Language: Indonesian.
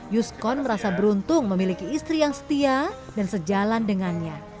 yuskon merasa beruntung memiliki istri yang setia dan sejalan dengannya